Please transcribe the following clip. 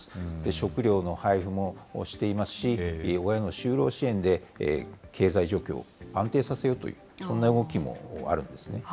食料の配布もしていますし、親の就労支援で経済状況を安定させようという、そんな動きもあるんですね。